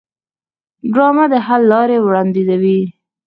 ډرامه د حل لارې وړاندیزوي